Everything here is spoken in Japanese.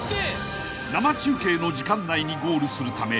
［生中継の時間内にゴールするため４２．１９５